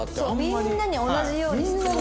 みんなに同じように質問して。